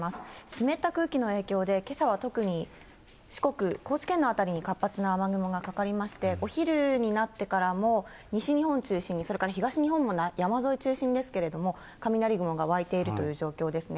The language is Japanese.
湿った空気の影響で、けさは特に四国、高知県の辺りに活発な雨雲がかかりまして、お昼になってからも、西日本を中心に、それから東日本も山沿い中心ですけれども、雷雲が湧いているという状況ですね。